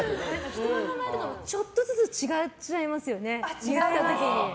人の名前とかもちょっとずつ違っちゃいますよね。